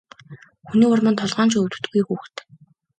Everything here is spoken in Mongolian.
Хүний урманд толгой нь ч өвддөггүй хүүхэд.